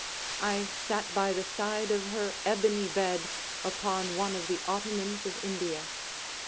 I sat by the side of her ebony bed, upon one of the ottomans of India.